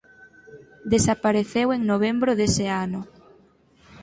Desapareceu en novembro dese ano.